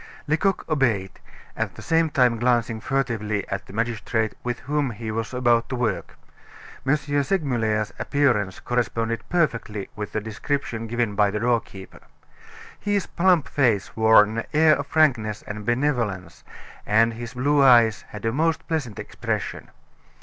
Lecoq obeyed, at the same time glancing furtively at the magistrate with whom he was about to work. M. Segmuller's appearance corresponded perfectly with the description given by the doorkeeper. His plump face wore an air of frankness and benevolence, and his blue eyes had a most pleasant expression.